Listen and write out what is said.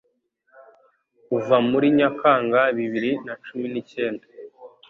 Kuva muri Nyakanga bibiri na cumi nikenda